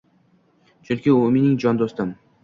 Chunki u – mening jon do‘stim.